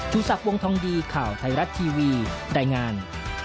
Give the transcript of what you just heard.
ชูสับวงทองดีข่าวไทยรัตน์ทีวีได้งาน